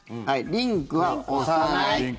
リンクは押さない。